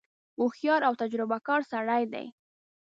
هوښیار او تجربه کار سړی دی.